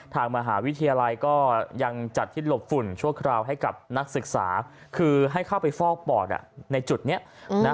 ทางมหาวิทยาลัยก็ยังจัดที่หลบฝุ่นชั่วคราวให้กับนักศึกษาคือให้เข้าไปฟอกปอดในจุดนี้นะ